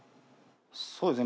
そうですね。